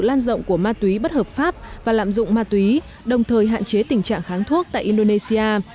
lan rộng của ma túy bất hợp pháp và lạm dụng ma túy đồng thời hạn chế tình trạng kháng thuốc tại indonesia